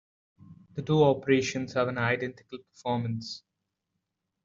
The two operations have an identical performance.